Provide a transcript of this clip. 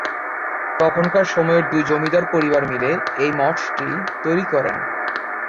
তখনকার সময়ের দুই জমিদার পরিবার মিলে এই মঠটি তৈরি করেন।